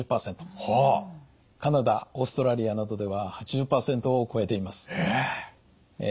カナダオーストラリアなどでは８０％を超えています。